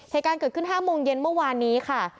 เหตุการณ์เกิดขึ้น๕โมงเย็นเมื่อวานนี้ค่ะ